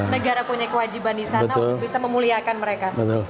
negara punya kewajiban di sana untuk bisa memuliakan mereka